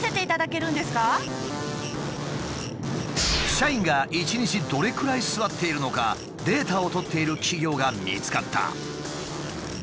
社員が１日どれくらい座っているのかデータを取っている企業が見つかった。